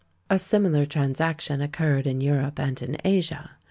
A similar transaction occurred in Europe and in Asia.